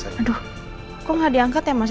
aduh kok nggak diangkat ya mas